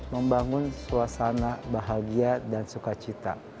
membangun suasana bahagia dan sukacita